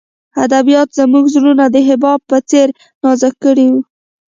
ادبیاتو زموږ زړونه د حباب په څېر نازک کړي وو